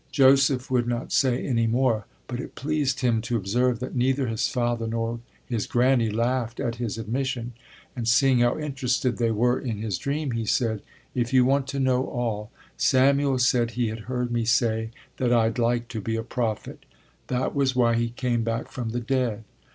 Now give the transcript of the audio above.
Joseph would not say any more, but it pleased him to observe that neither his father nor his granny laughed at his admission, and seeing how interested they were in his dream he said: if you want to know all, Samuel said he had heard me say that I'd like to be a prophet. That was why he came back from the dead.